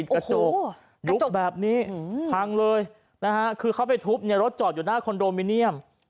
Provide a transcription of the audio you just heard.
กระจกยุบแบบนี้พังเลยนะฮะคือเขาไปทุบเนี่ยรถจอดอยู่หน้าคอนโดมิเนียม